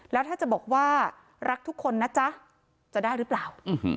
แล้วถ้าจะบอกว่ารักทุกคนนะจ๊ะจะได้หรือเปล่า